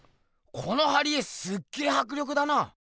この貼り絵すっげぇはくりょくだな！